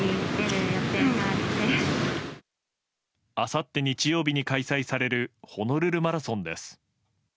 あさって日曜日に開催されるホノルルマラソンです。